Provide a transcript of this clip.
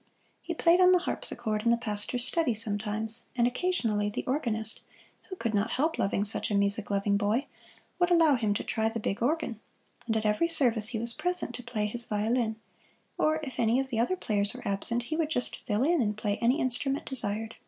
He played on the harpsichord in the pastor's study sometimes; and occasionally the organist, who could not help loving such a music loving boy, would allow him to try the big organ, and at every service he was present to play his violin, or if any of the other players were absent he would just fill in and play any instrument desired.